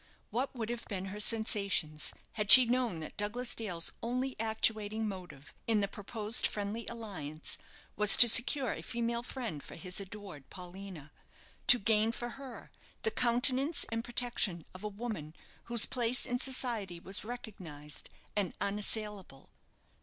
What would have been her sensations had she known that Douglas Dale's only actuating motive in the proposed friendly alliance, was to secure a female friend for his adored Paulina, to gain for her the countenance and protection of a woman whose place in society was recognized and unassailable?